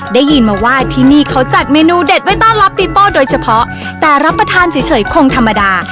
ได้ยินมาว่าที่นี่เขาจัดเมนูเด็ดไว้ต้อนรับปีโป้โดยเฉพาะแต่รับประทานเฉยคงธรรมดา